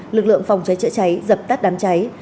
lực lượng phòng cháy chữa cháy dập tắt đám cháy